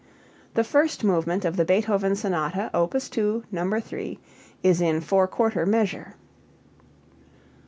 _, "The first movement of the Beethoven Sonata Op. 2, No. 3, is in four quarter measure."